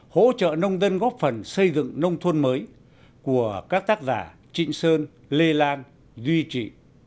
hỗ trợ nông dân góp phần xây dựng nông thôn mới của các tác giả trịnh sơn lê lan duy trị